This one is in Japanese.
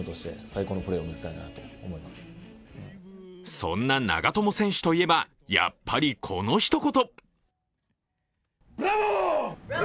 そんな長友選手といえばやっぱりこの一言！